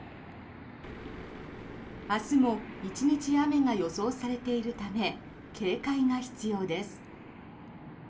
明日も１日雨が予想されているため警戒が必要です。